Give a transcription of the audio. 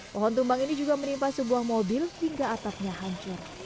pohon tumbang ini juga menimpa sebuah mobil hingga atapnya hancur